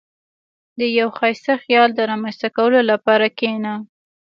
• د یو ښایسته خیال د رامنځته کولو لپاره کښېنه.